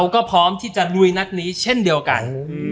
ก็พร้อมที่จะลุยนัดนี้เช่นเดียวกัน